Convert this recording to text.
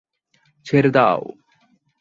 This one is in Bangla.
ছেড়ে দাও!